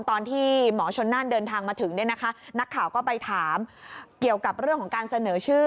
ตอนที่หมอชนนั่นเดินทางมาถึงเนี่ยนะคะนักข่าวก็ไปถามเกี่ยวกับเรื่องของการเสนอชื่อ